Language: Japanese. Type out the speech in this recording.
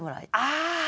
ああ！